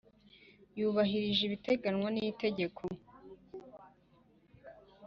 Wubahirije ibiteganwa n Itegeko